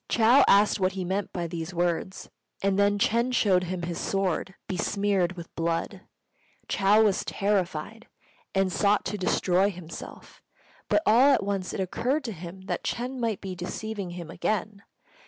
Chou asked what he meant by these words; and then Ch'êng shewed him his sword besmeared with blood. Chou was terrified, and sought to destroy himself; but all at once it occurred to him that Ch'êng might be deceiving him again.